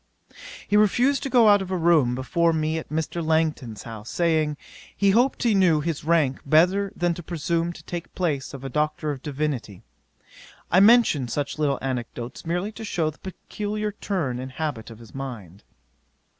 'He refused to go out of a room before me at Mr. Langton's house, saying, he hoped he knew his rank better than to presume to take place of a Doctor in Divinity. I mention such little anecdotes, merely to shew the peculiar turn and habit of his mind.